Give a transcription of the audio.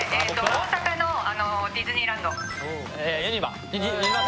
大阪のディズニーランドえっ